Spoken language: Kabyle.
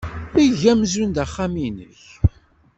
Eg amzun d axxam-nnek.